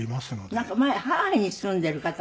なんか前ハワイに住んでる方も。